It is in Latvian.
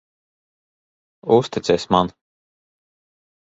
Uzticies man.